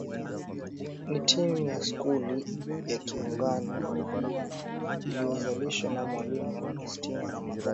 Ni timu ya skuli ya Kiungani iliyoanzishwa na Mwalimu Augostino Ramadhani